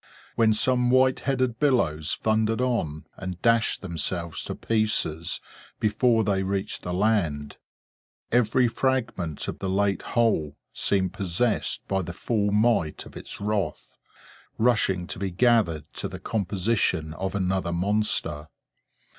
When some white headed billows thundered on, and dashed themselves to pieces before they reached the land, every fragment of the late whole seemed possessed by the full might of its wrath, rushing to be gathered to the composition of another monster.